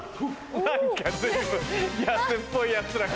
何か随分安っぽいヤツらが。